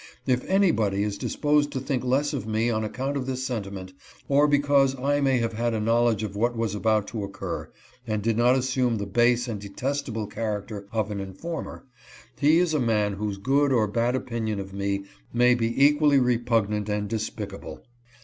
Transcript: If anybody is disposed to think less of me on account of this sentiment, or because I may have had a knowledge of what was about to occur, and did not assume the base and detestable character of an informer, he is a man whose good or bad opinion of me may be equally repugnant and despicable.